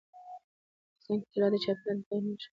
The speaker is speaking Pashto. افغانستان کې طلا د چاپېریال د تغیر نښه ده.